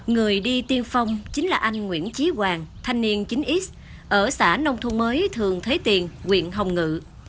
người đi tiên phong chính là anh nguyễn trí hoàng thanh niên chín x ở xã nông thu mới thường thế tiền huyện hồng ngự